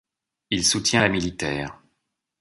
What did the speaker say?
Il soutient la militaire.